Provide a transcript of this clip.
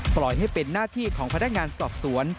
ปล่อยให้เป็นหน้าที่ของพนักงานสอบสวน